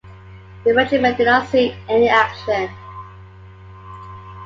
The regiment did not see any action.